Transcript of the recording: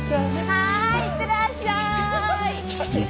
はい行ってらっしゃい！